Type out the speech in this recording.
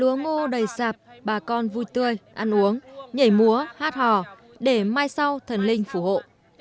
lúa ngô đầy sạp bà con vui tươi ăn uống nhảy múa hát hò để mai sau thần linh phù hộ